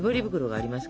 ありますよ。